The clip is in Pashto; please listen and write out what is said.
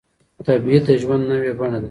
تبعيد د ژوند نوې بڼه وه.